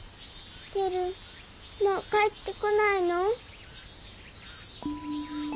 テルもう帰ってこないの？